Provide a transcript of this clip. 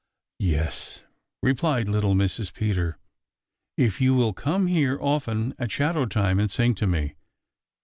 "Yes," replied little Mrs. Peter, "if you will come here often at shadow time and sing to me."